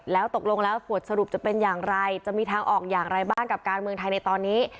แล้วตกลงแล้วบทสรุปจะเป็นอย่างไรจะมีทางออกอย่างไรบ้างกับการเมืองไทยในตอนนี้